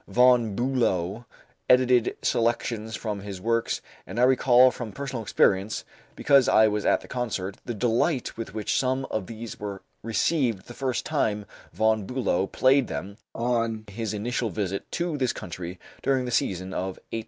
Von Bülow edited selections from his works, and I recall from personal experience, because I was at the concert, the delight with which some of these were received the first time Von Bülow played them on his initial visit to this country during the season of 1875 76.